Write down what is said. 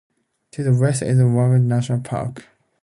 To the west is Whanganui National Park.